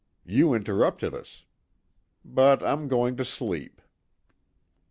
You interrupted us. But I'm going to sleep."